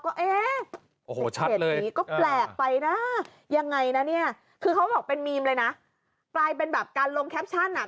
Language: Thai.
โอ้โหชัดเลยคือเขาบอกเป็นเมมเลยนะปลายเป็นแบบการลงแคปชั่น